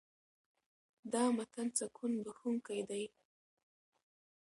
دا متن سکون بښونکی دی.